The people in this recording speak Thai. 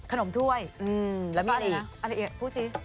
ขนมถ้วยแล้วมีอะไรนะพูดสิ